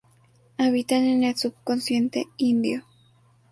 Habitan en el subcontinente indio.